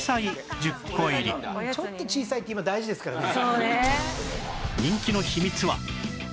「ちょっと小さいって今大事ですからね」